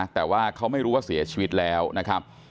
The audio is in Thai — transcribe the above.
แต่ว่าเขาไม่รู้ว่าเสียชีวิตแล้วนะครับ